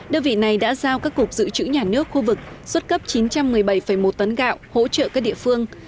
đơn vị này đã giao các cục dự trữ nhà nước khu vực xuất cấp chín trăm một mươi bảy một tấn gạo hỗ trợ các địa phương